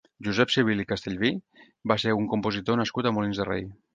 Josep Civil i Castellví va ser un compositor nascut a Molins de Rei.